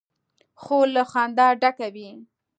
خور له خندا ډکه وي.